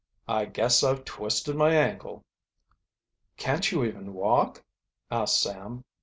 "I guess I've twisted my ankle." "Can't you even walk?" asked Sam.